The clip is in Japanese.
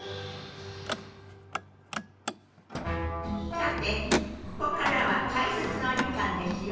さてここからは解説のお時間ですよ。